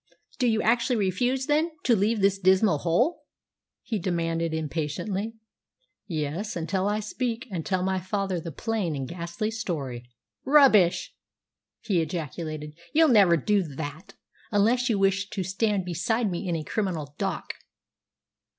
"Do you actually refuse, then, to leave this dismal hole?" he demanded impatiently. "Yes, until I speak, and tell my father the plain and ghastly story." "Rubbish!" he ejaculated. "You'll never do that unless you wish to stand beside me in a criminal dock."